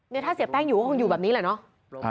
ถ้าเสียแป้งอยู่ก็คงอยู่แบบนี้แหละเนาะ